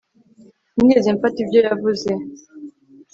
sinigeze mfata ibyo yavuze